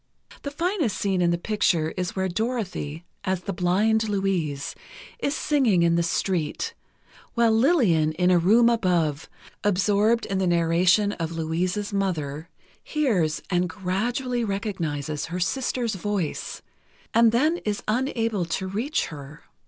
The finest scene in the picture is where Dorothy, as the blind Louise, is singing in the street, while Lillian, in a room above, absorbed in the narration of Louise's mother, hears and gradually recognizes her sister's voice, and then is unable to reach her.